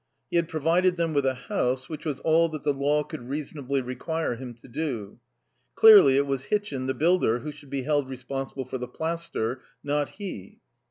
He had provided them with a house, which was all that the law could reasonably require him to do. Clearly it was Hitchin, the builder, who should be held responsible for the plaster, not he.